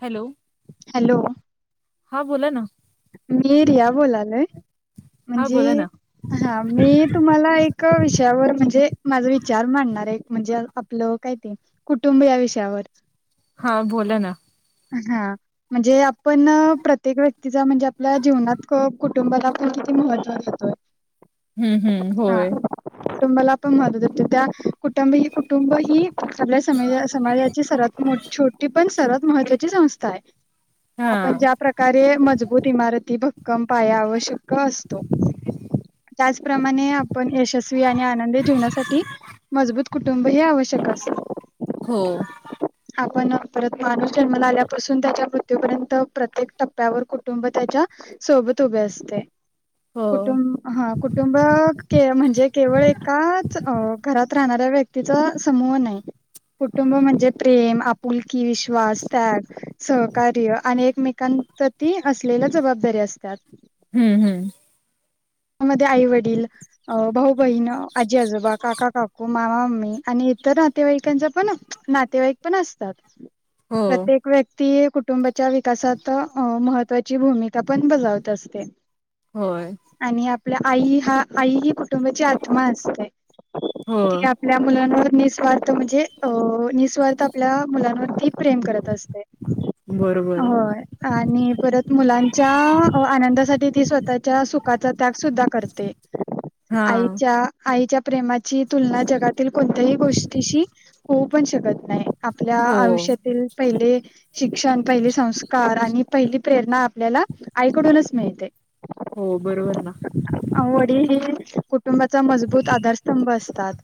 Hello hello हा बोला ना. मी रिया बोलालोय हा म्हणजे बोला ना हा मी तुम्हाला एक विषयावर म्हणजे माझा विचार मांडणार आहे म्हणजे आपलं काय ते कुटुंब या विषयावर हा बोला ना. हा म्हणजे आपण प्रत्येक व्य तिचा म्हणजे आपल्या जीवनात कुटुंबाला आपण किती महत्त्व देतोय? हम्म हम्म हा होय. कुटुंबाला आपण महदत होत त्या कुटुंब ह कुटुंब ही आपल्या स समाजाची सर्वात मो छोटी पण सर्वात महत्त्वाची संस्था आहे. हा आपण ज्या प्रकारे मजबूत इमारती भक्कम पाया आवश्यक उभा असतो त्याचप्रमाणे आपण यशस्वी आणि आनंद जीवनासाठी मजबूत कुटुंब हे आवश्यक असत. हो आपण परत माणूस जन्मला आल्यापासून त्याच्या मृत्यूपर्यंत प्रत्येक टप्प्यावर कुठ कुटुंब त्याच्या सोबत उभे असते हो कुटुंब हा कुटुंब म्हणजे केवळ एकाच घरात राहणाऱ्या व्यक्ती तीचा समूह नाही कुटुंब म्हणजे प्रेम आपुलकी विश्वास त्याग सहकार्य आणि एकमेकांवर त असलेल्या जबाबदारी असतात. हम्म हम्म मध्ये आई वडील अ भाऊ बहीण आजी आजोबा काका काकू मामा मामी आणि इतर नातेवाईकांचा पण नाते वाईक पण असतात. हो प्रत्येक व्यक्ती कुटुंबाच्या विकासात महत्त्वाची भूमिका पण बजावत असते. होय. आणि आपल्या आई हा आई ही कुटुंबाची आत्मा असते. हो त आपल्या मुलांवर निस्वार्थ म्हणजे निस्वार्थ आपल्या मुलांवरती प्रेम करत असते बरोबर होय. आणि परत मुलांच्या आनंदासाठी ती स्वतःच्या सुख का त्याग सुद्धा करते हा आईच्या आईच्या प्रेमाची तुलना जगातील कोणत्याही गोष्टीशी होऊ पण शकत नाही. आपल्या हो आयुष्यातील पहिले शिक्षणं पहिली संस्कार आणि पहिली प्रेरणा आपल्याला आईकडून चं मिळते हो बरोबर नां वडील हे कुटुंबाचा मजबूंत आधांरस्तंभ असतांत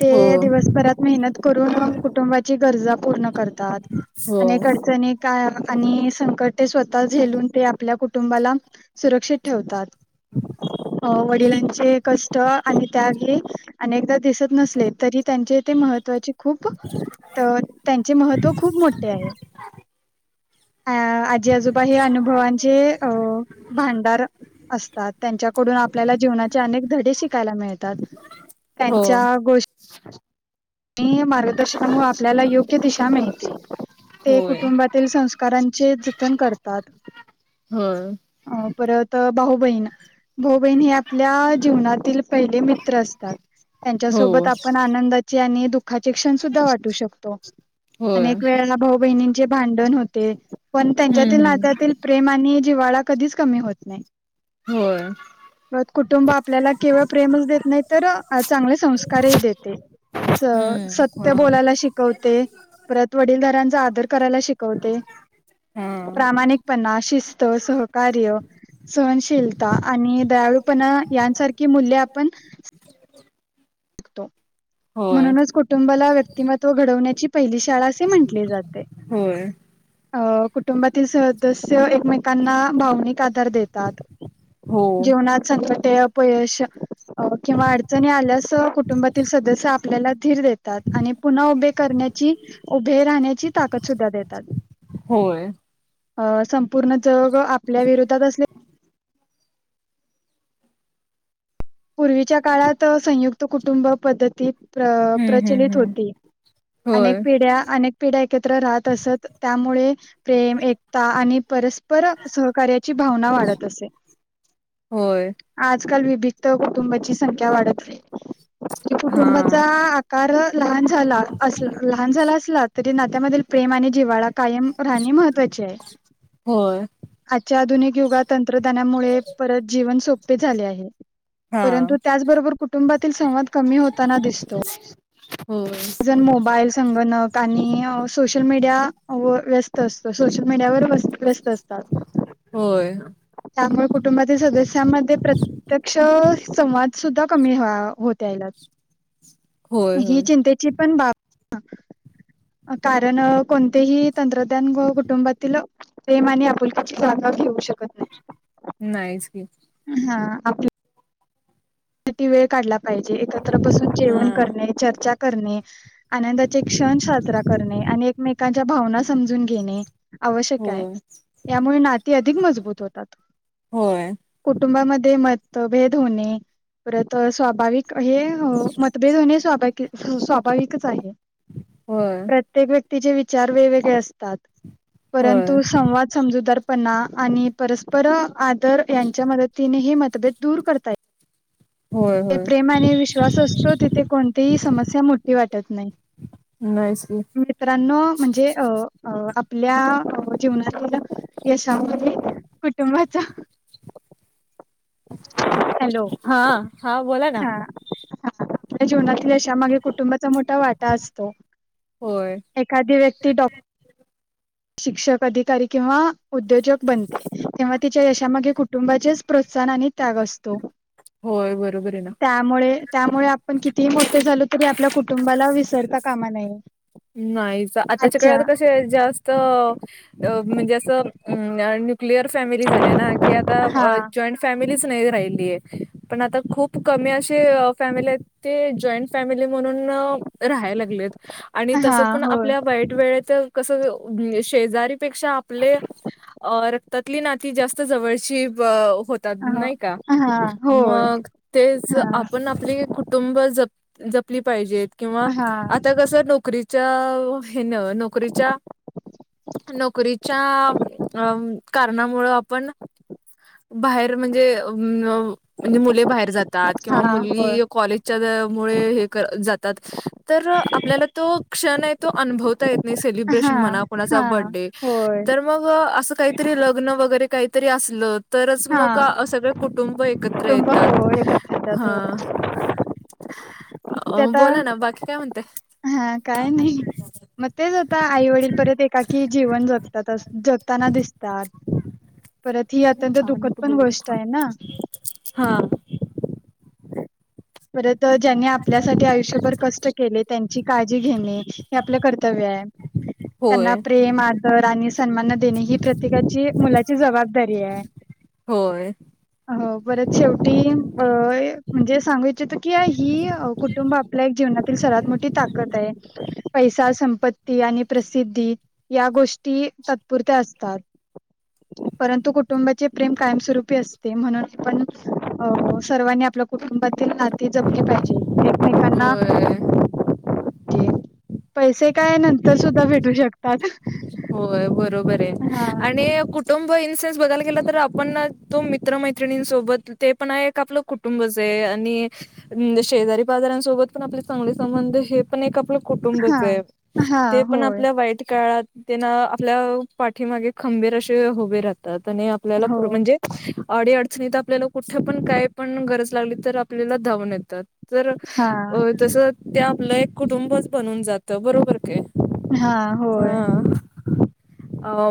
ते हो दिवसंभरांत मेहनत करूंन कुटुंबाची गरजा पूर्ण करतांत हो अनेक अडचनीत आणि संकट ते स्वंतः झेलूंन ते आपल्या कुटुंबाला सुरक्षित ठेवतांत अं वडिलांचे कंष्ट आणि त्यांग हे अनेकदां दिसतं नसले तरी त्यांचे ते महत्वाचे खूंप तरं त्यांचे महत्त्व खूंप मोठे आहे हां अं आजी आजोबा हे अनुभवांचे अं भांडार असतांत त्यांच्याकडून आपल्याला जीवनाचे अनेक धडे शिकांयला मिळतातं हो त्यांच्या गोष्टी नियम मार्गदर्शनांमुळे आपल्याला योग्य दिशा मिळते ते होय कुटुंबातील संस्कारांचे जतंन करतांत हां अं परंत भाऊ बहीण भाऊ बहीण हे आपल्या जीवनांतील पहिले मित्रं असतांत हो त्यांच्यासोबत आपणं आनंदाची आणि दुःखाचे क्षणं सुद्धां वाटूं शकतो होय अनेक वेळांला भाऊ बहिणींचे भांडण होते पणं हम्म त्यांच्यातील हम्म नात्यांतील प्रेम आणि जिवाळा कधीचं कमी होतं नाहीं होयं कुटुंब आपल्याला केवळं प्रेमच देतं नाहीं तरं चांगले संस्कारही देते स हम्म सत्य हा बोलांयला शिकवते परंत वडील धारांचा आदर करायंला शिकवते हा प्रामाणिकपणां शिस्तं सहकार्य सहनशीलतां आणि दयाळूंपणा यांसारखी मूल्यं आपणं तो होय म्हणूनचं कुटुंबाला व्यक्तिमत्त्व घडवण्यांची पहिली शाळां असे म्हंटली जाते होयं अं कुटुंबातील सदस्यं एकमेकांना भावनिक आधांर देतांत हो जीवनांत संकटे अपयश किंवा अडचणी आल्यांस कुटुंबातील सदस्यं आपल्यांला धीर देतांत आणि पुन्हां उभे करण्यांची उभे राहण्यांची ताकंद सुद्धां देतांत होयं अं संपूर्ण जंग आपल्या विरोधांत असेल पूर्वीच्या काळांत संयुक्तं कुटुंबं पद्धतींत हम्म हम्म प्रचलित हम्म होती अनेक होय पिढ्यां अनेक पिढ्यां एकत्रं राहतं असतं त्यांमुळें प्रेम एकतां आणि परस्पंर सहकार्याची भावनां वाढतं असे होयं आंजकांल विभक्त कुटुंबांची संख्या वाढतं नाहीं हा कुटुंबांचा आंकार लहांन झालां असलां लहांन झालां असलां तरी नात्यांमधील प्रेम आणि जिव्हाळा कायंम राहणे महत्त्वाची आहे हो आजच्यां आधुनिक युगांत तंत्रज्ञांनामुळे परंत जीवन सोपे झाले आहेतं हा परंतु त्याचबरोबर कुटुंबातील संवाद कमी होताना दिसतो. होय, जण मोबाईल, संगणक आणि सोशल मीडिया व व्यस्त अस सोशल मीडिया ववर वत व्रस्त असतात. होय त्यामुळे कुटुंबातील सदस्यांमध्ये प्रत्य प्रत्यक्ष संवाद सुद्धा कमी होत यायला. होय, ही होय चिंतेची पण बाब कारण कोणतेही तंत्रज्ञान व कुटुंबातील प्रेम आणि आपुलकची जागा घेऊ शकत नाही. नाहीच. हा आपल्या किती वेळ काढला पाहिजे एकत्र बसून हा जेवण करणे, चर्चा करणे. आनंदाचा एक क्षण साजरा करणे आणि एकमेकांच्या भावना समजून घेणे. आवश्यक आहे होय, त्यामुळे नाती अधिक मजबूत होतात. होय कुटुंबामध्ये मत-भेद होणे. परत स्वाभाविक हे मतभेद होणे स्वा-स्वाभाविकच आहे. होय, प्रत्येक व्यक्तीचे विचार वेगवेगळे असतात. परंतु होय, संवाद समजूदारपणा आणि परस्पर आदर यांच्या मत तिने हे मतभेद दूर करता य होय, ते होय प्रेम आणि विश्वास असतो तिथे कोणतीही समस्या मोठी वाटत नाही. नाहीच मित्रांनो म्हणजे अ आपल्या जीवनातील यशामध्ये कुटुंबाचा [unintelligible] हा हा बोला ना ह जीवनातील अशा मागे कुटुंबाचा मोठा वाटा असतो. होय, एखादी व्यक्ती डॉ शिक्षक अधिकारी किंवा उद्योजक बनते किंव्हा तिच्या यशामागे कुटुंबाचेच प्रोत्साहन आणि त्याग असतो. होय बरोबर आहे ना. त्यामुळे आपण कितीही मोठे झालो तरी आपल्या कुटुंबाला विसरता कामा नये. नाहीच आताच्या अच्छा काळात कसे जास्त म्हणजे असं क्लिअर फॅमिली झाले ना की आता हा जॉईंट फॅमिलीच नाही राहिली आहे पण आता खूप कमी अशी फॅमिली आहेत. ते जॉईंट फॅमिली म्हणून राहायला लागलेत आणि हा तसं पण होय आपल्या वाईट वेळ तर कस शेजारीपेक्षा आपले अ ततली नाती जास्त जवळची हो नाही का हा होय मग तेच हा आपण आपले आपले कु कुुंटुब जपली पाहिजेत किंवा हा आता कस नोकरी चया हे न नोकरीच्या नोकरीच्या अ कारणामुळ आपण बाहेर म्हणजे अ म्हणजे मुले बाहेर जात हा किंवा होय मुली कॉलेजच्या मुळे हे जातात तर आपल्याला तो क्षण आहे तो अनूभवता येत नाही, हा सैलिबरेशन म्हणा कूणाचा हा बडे होय मग असं काहीतरी लग्न वगैरे काहीतरी असल तरच हा मग सगळे कुटुंब एकत्र कुटुंब येतात होय एकत्र ह. येतात होय. [inaudible] अ ते आता बोला ना बाकी काय म्हणताय. हा काय नाही. मग तेच आता आई वडील परत एकाकी जीवन जगतात जगताना दिसतात. परत ही अत्यंत दुखद पण गोष्ट आहे ना. हा, परत ज्यांनी आपल्यासाठी आयुष्यभर कष्ट. त्यांची काळजी घेणे हे आपलं कर्तव्य आहे त्यांना होय प्रेम आ ''--'' तरणी सन्मान देणे ही प्रत्येकाची मुलाची जबाबदारी आहे. होय. हो परत शेवटी ब य. म्हणजे सांगू इच्छितो की ही कुटुंब आपल्या एक जीवनातील सर्वात मोठी ताकद आहे. पैसा संपत्ती आणि प्रसिद्धी या गोष्टी तातपुरत्या असतात. [inaudible] परंतु कुटुंबाचे प्रेम कायमस्वरूपी असते म्हणून आपण अ सर्वांनी आपलं. कुटुंबातील नाती जपली पाहिजे एकमेकांना. होय तेन पैसे काय नंतर सुद्धा भेटू शकत''--'' का ग, होय बरोबर आहे आणि कुठ. कुटुंब इन सेनस बदयला गेलं तर आपण ना तो मित्र मैत्रिणींसोबत ते पण आहे एक आपलं कु''--'' कुुंब आणि शेजारी बाजार्यांसोबत पण आपले चांगले संबंध हो. पण एक आपलं हा कुटुंबच आहे हा ते पण होय आपल्या वाईट काळात. त्यांना आपल्या पाठीमागे खंबेर असे उभे राहतात आणि आपल्याला हो पू म्हणजे. अडी अडचणीत आपल्याला कुठे पण काय पण गरज लागली तर आपल्याला धावून येतात. तर हा अ तस ते आपलं एक कुटुंबच बनून जातं बरोबर काय. हा होय. ह अ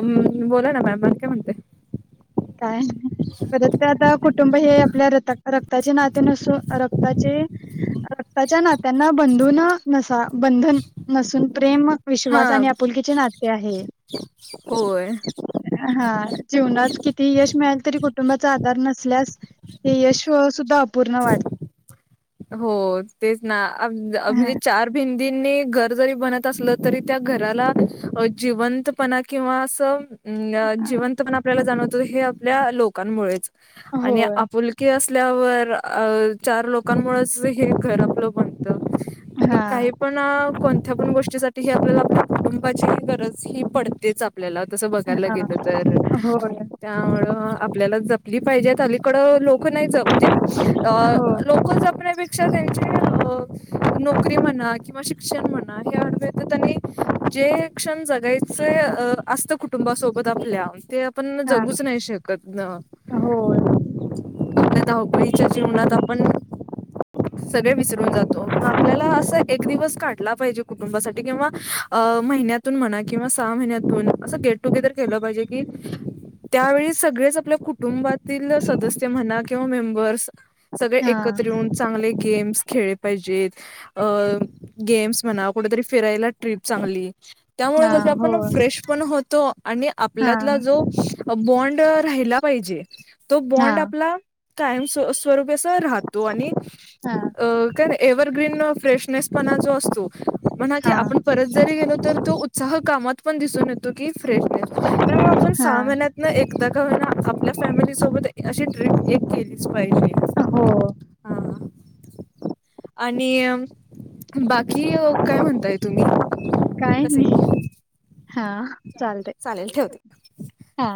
बोला ना मॅम म काय म्हणते. काय नाही परत ते आता कुटुंब हे आपल्या रता''--'' रक्ताचे नाते नसून रक्ताचे रक्ताच्या नात्यांना बंधून नसा''--'' बंधन नसून प्रेम. हा विश्वास आणि आपुलकीचे नाते आहे. होय हा जीवनात किती यश मिळाल तरी. कुटुंबा आधार नसल्यास हे यश सुद्धा अपूर्ण वाढत. हो तेच ना आ म्हणजे आबी हा चार भि''--'' दींनी घर जरी बनत असलं तरी त्या घराला जिवंतपणा किंवा असं. अ जिवंत पण आपल्याला जाणवतो हे आपल्या लोकांमुळेच आणि होय आपुलकी. की असल्यावर अ चार लोकांमुळेच हे घरपलं बनत. ती हा काही पण न कोणत्या पण गोष्टीसाठी ह आपल्याला पाटुंबाची गरज ही पडतेच आप''--'' आपल्याला तसं बघायला गेल तर. हा होय त्यामुळं आपल्याला जपली पाहिजे अलीकडं लोक नाही म्हणजे अ. [inaudible] ते पेक्षा तयची नोकरी म्हणा किंवा शिक्षण म्हणा हे डव्या येतात आणि. जे क्षण जगायचं असत कुटुंबासोबत आपल्या ते आप ''--'' पण हा जगूच नाही शकत न. होय आपल्या धावपळीच्या जीवनात आपण सगळे विसरून जातो मग आपल्याला असं एक दिवस काढ वेळ काढला पाहिजे कुटुंबासाठी महिन्यातून मला तर सहा महिन्यातून टुगेदर खेलं पाहिजे की त्यावेळी सगळेच आपल्या कुटुंबातील सदस्य म्हणा. किंवा मेंबर्स सगळे हा एकत्र चांगले गेम्स खेळले पाहिजेत. अ गेम्स म्हणा कुठेतरी फिरायला ट्रिप चांगली त्यामुळे हा कस आपण होय फ्रेश पण होतो. आणि हा आपल्यातला जो बॉन्ड राहिला पाहिजे. तो हा बॉन्ड आपला कायम स् स्वरूपचा राहत. आणि अ काय एव्हग्रीन फ्रेशनेस पणा जो असतो. म्हणा की हा आपण परत जरी गेलो तर तो उत्साह कामात पण दिसून येतो की फ्रेश त्यामुळे आपण हा सहामानत न एकदा का ना आपल्या फॅमिलीसोबत अशी ट्रीप एक केलीच पाहिजे. अ हो. हा. आणि बाकी काय म्हणताय तुम्ही काय कस नाही हा चालते ठेवते. हा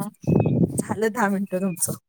झालं दहा मिनिटं ुमच तुमचं. [unintelligible]